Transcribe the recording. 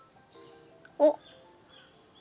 おっ。